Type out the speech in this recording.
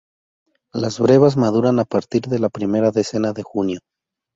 Las brevas maduran a partir de la primera decena de junio.